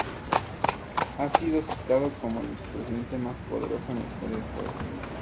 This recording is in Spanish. Ha sido citado como el vicepresidente más poderoso de la historia de Estados Unidos.